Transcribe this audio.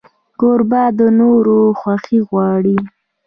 کوربه د نورو خوښي غواړي.